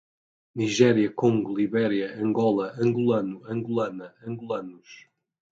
Nigéria, Congo, Libéria, Angola, angolano, angolana, angolanos